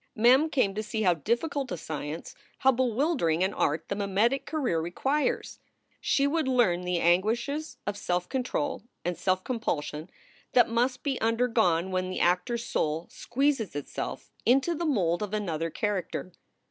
Mem came to see how difficult a science, how bewildering an art the mimetic career requires. She would learn the anguishes of self control and self compulsion that must be undergone when the actor s soul squeezes itself into the mold of another character.